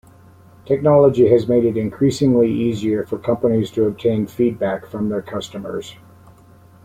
Technology has made it increasingly easier for companies to obtain feedback from their customers.